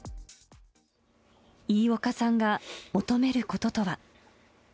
飯岡さんが求めることとは。